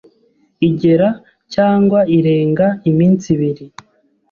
igera cyangwa irenga iminsi ibiri